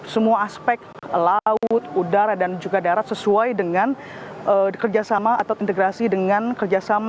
semua aspek laut udara dan juga darat sesuai dengan kerjasama atau integrasi dengan kerjasama